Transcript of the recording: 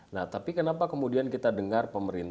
nah tapi kenapa kemudian kita dengar pemerintah